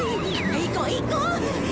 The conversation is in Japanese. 行こう行こう！